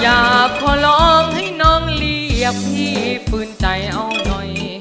อยากขอร้องให้น้องเรียกพี่ฝืนใจเอาหน่อย